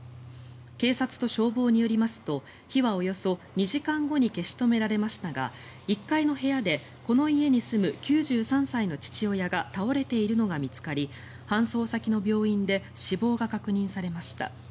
警察と消防によりますと火はおよそ２時間後に消し止められましたが１階の部屋でこの家に住む９３歳の父親が倒れているのが見つかり搬送先の病院で死亡が確認されました。